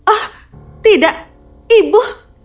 oh tidak ibu